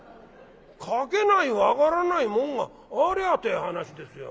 描けない分からない紋がありゃって話ですよ」。